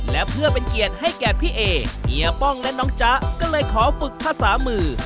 และเพื่อเป็นเกียรติให้แก่พี่เอเฮียป้องและน้องจ๊ะก็เลยขอฝึกภาษามือ